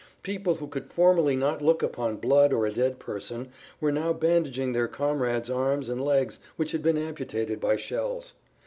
People who could formerly not look upon blood or a dead person, were now bandaging their comrades' arms and legs which had been amputated by shells.